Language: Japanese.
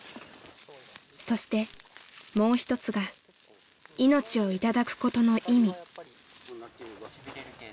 ［そしてもう一つが命を頂くことの意味］